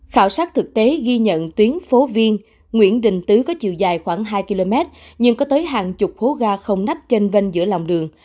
khảo sát thực tế ghi nhận tuyến phố viên nguyễn đình tứ có chiều dài khoảng hai km nhưng có tới hàng chục hố ga không nắp trên vanh giữa lòng đường